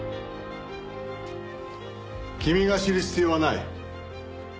君が知る必要はない。